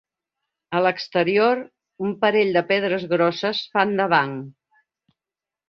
A l'exterior, un parell de pedres grosses fan de banc.